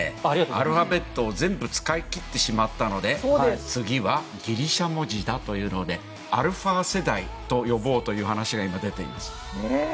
アルファベットを全部使いきってしまったので次は、ギリシャ文字だというのでアルファ世代と呼ぼうという話が今出ています。